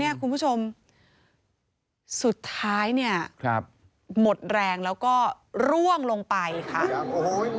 คุณผู้ชมสุดท้ายเนี่ยครับหมดแรงแล้วก็ร่วงลงไปค่ะครับโอ้โห